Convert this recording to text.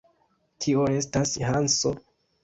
Kio estas Hanso?